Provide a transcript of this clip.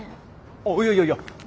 あっいやいやいや！